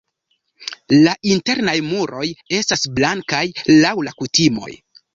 La internaj muroj estas blankaj laŭ la kutimoj.